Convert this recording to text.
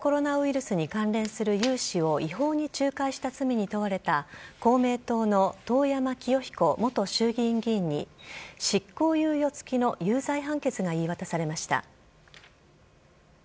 新型コロナウイルスに関連する融資を違法に仲介した罪に問われた公明党の遠山清彦元衆議院議員に執行猶予つきの有罪判決が言い渡されました。